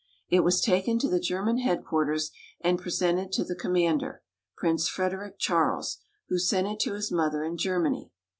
It was taken to the German headquarters and presented to the commander, Prince Frederick Charles, who sent it to his mother in Germany.